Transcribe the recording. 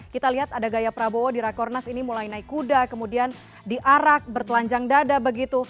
kita lihat ada gaya prabowo di rakornas ini mulai naik kuda kemudian diarak bertelanjang dada begitu